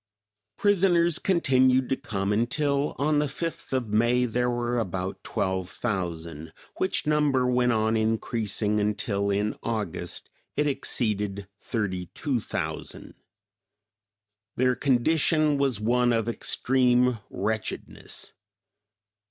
Prisoners continued to come until, on the 5th of May, there were about 12,000, which number went on increasing until in August it exceeded 32,000. Their condition was one of extreme wretchedness.